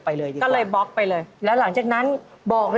ไปไหนต่อค่ะไปหาจากไหนต่อคนนี้